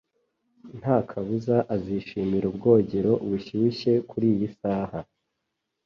Nta kabuza azishimira ubwogero bushyushye kuriyi saha.